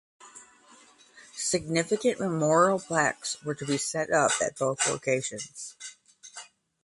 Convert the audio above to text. Significant memorial plaques were to be set up at both locations.